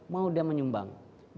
mau dia menyumbang